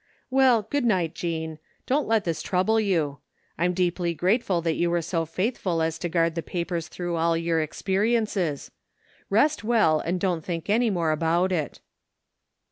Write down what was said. "Well, good night, Jean. Don't let this trouble you* Fm deeply grateful that you were so faithful as to guard the papers through all your experiences. Rest well and don't think any more about it."